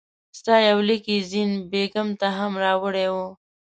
ستا یو لیک یې زین بېګم ته هم راوړی وو.